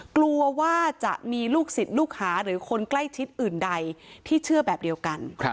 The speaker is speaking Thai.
กลัวว่าจะมีลูกศิษย์ลูกหาหรือคนใกล้ชิดอื่นใดที่เชื่อแบบเดียวกัน